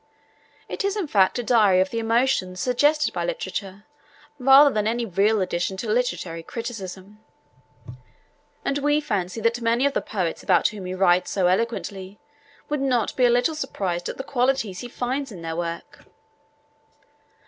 It is in fact a diary of the emotions suggested by literature, rather than any real addition to literary criticism, and we fancy that many of the poets about whom he writes so eloquently would be not a little surprised at the qualities he finds in their work.